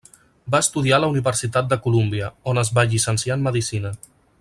Va estudiar a la Universitat de Colúmbia, on es va llicenciar en medicina.